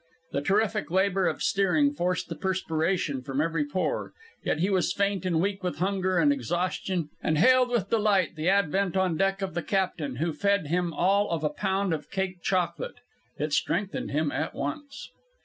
The terrific labor of steering forced the perspiration from every pore. Yet he was faint and weak with hunger and exhaustion, and hailed with delight the advent on deck of the captain, who fed him all of a pound of cake chocolate. It strengthened him at once.